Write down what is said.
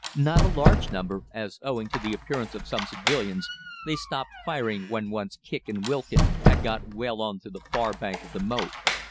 Not a large number, as owing to the appearance of some civilians they stopped firing when once Kicq and Wilkin had got well on to the far bank of the moat.